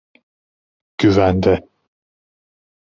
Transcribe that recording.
Güvende.